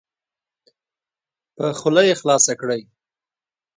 په خوله یې خلاصه کړئ.